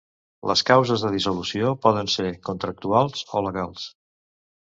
Les causes de dissolució poden ser contractuals o legals.